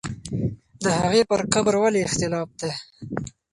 د هغې پر قبر ولې اختلاف دی؟